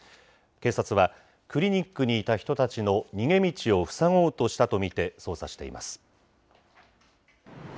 警察は、クリニックにいた人たちの逃げ道を塞ごうとしたと見て、捜査しています。